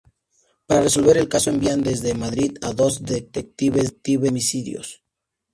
Para resolver el caso envían desde Madrid a dos detectives de homicidios.